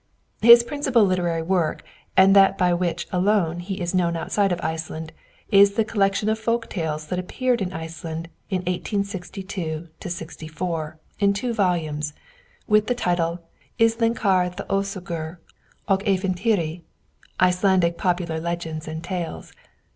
His principal literary work, and that by which alone he is known outside of Iceland, is the collection of folk tales that appeared in Iceland in 1862 64, in two volumes, with the title 'Islenzkar Thoosögur og Æfintyri' (Icelandic Popular Legends and Tales).